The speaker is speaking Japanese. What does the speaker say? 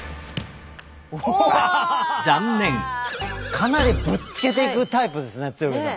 かなりぶつけていくタイプですね鶴瓶さん。